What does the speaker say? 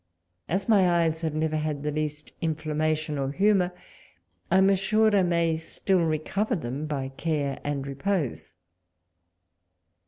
As my eyes have never had the least imflammation or humour, I am assured I may still recover them by care and repose.